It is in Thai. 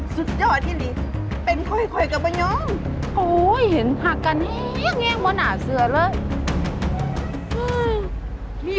สุดยอดที่นี่